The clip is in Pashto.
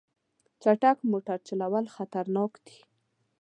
چټک موټر چلول خطرناک دي.